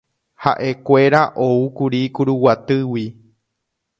Ha'ekuéra oúkuri Kuruguatýgui.